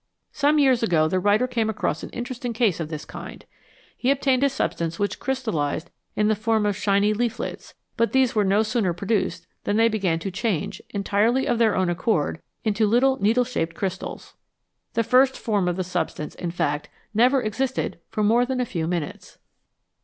Some years ago the writer came across an interesting case of this kind. He obtained a substance which crystallised in the form of shiny leaflets, but these were no sooner produced than they began to change, entirely of their own accord, into little needle shaped crystals. The first form of the substance, in fact, never existed for more than a few minutes.